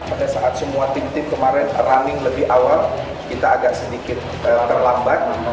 pada saat semua tim tim kemarin running lebih awal kita agak sedikit terlambat